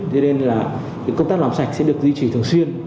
thế nên là công tác làm sạch sẽ được duy trì thường xuyên